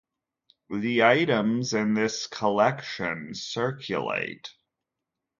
The items in this collection circulate.